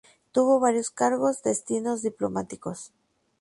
Tuvo varios cargos destinos diplomáticos.